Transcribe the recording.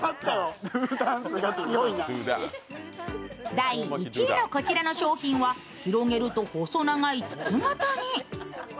第１位のこちらの商品は広げると細長い筒形に。